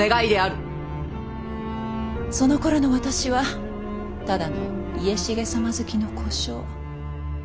そのころの私はただの家重様づきの小姓。